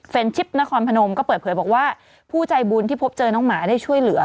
เป็นชิปนครพนมก็เปิดเผยบอกว่าผู้ใจบุญที่พบเจอน้องหมาได้ช่วยเหลือ